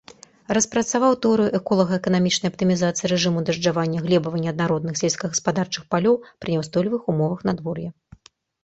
Распрацаваў тэорыю эколага-эканамічнай аптымізацыі рэжыму дажджавання глебава-неаднародных сельскагаспадарчых палёў пры няўстойлівых умовах надвор'я.